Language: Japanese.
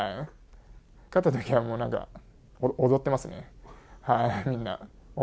勝ったときはもうなんか踊ってますね。